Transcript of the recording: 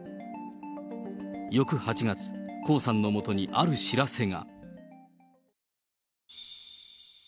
翌８月、江さんのもとにある知らせが。